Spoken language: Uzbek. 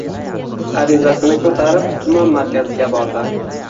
Arizasini koʻtarib tuman markaziga bordi.